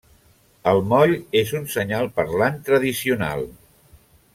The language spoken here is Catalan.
El moll és un senyal parlant tradicional.